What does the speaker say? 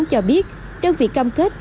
cho biết đơn vị cam kết